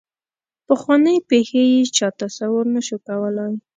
پخوانۍ پېښې یې چا تصور نه شو کولای.